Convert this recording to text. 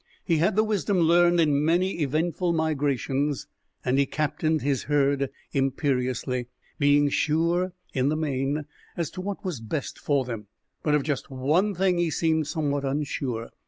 He had the wisdom learned in many eventful migrations, and he captained his herd imperiously, being sure, in the main, as to what was best for them. But of just one thing he seemed somewhat unsure.